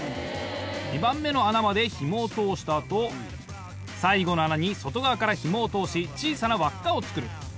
２番目の穴までひもを通した後最後の穴に外側からひもを通し小さな輪っかをつくる。